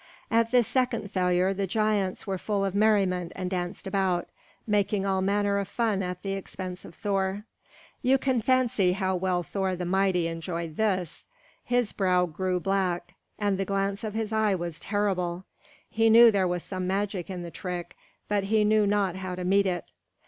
At this second failure the giants were full of merriment and danced about, making all manner of fun at the expense of Thor. You can fancy how well Thor the mighty enjoyed this! His brow grew black, and the glance of his eye was terrible. He knew there was some magic in the trick, but he knew not how to meet it.